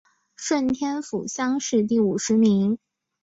顺天府乡试第五十名。